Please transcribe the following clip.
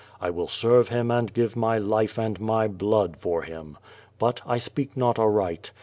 I will serve Him and give my life and my blood for Him. But I speak not aright.